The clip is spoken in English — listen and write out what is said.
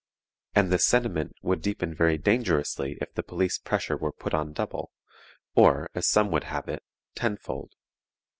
And this sentiment would deepen very dangerously if the police pressure were put on double, or, as some would have it, tenfold.